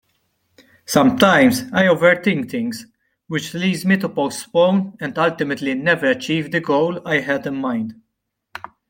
Sometimes I overthink things which leads me to postpone and ultimately never achieve the goal I had in mind.